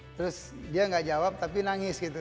terus dia nggak jawab tapi nangis gitu